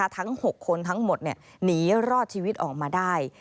ทั้ง๖คนทั้งหมดหนีรอดชีวิตออกมาได้